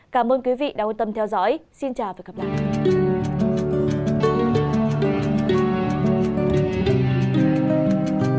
cảm ơn quý vị đã quan tâm theo dõi xin chào và hẹn gặp lại